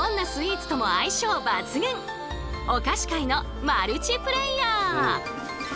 お菓子界のマルチプレーヤー！